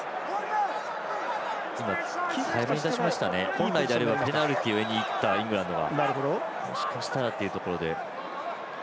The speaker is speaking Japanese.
本来であればペナルティのもらいにいきたいイングランドがもしかしたらっていうところで。